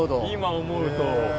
今思うと。